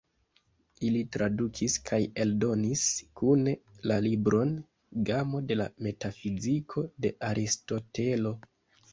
Ili tradukis kaj eldonis kune la libron "Gamo de la metafiziko" de Aristotelo.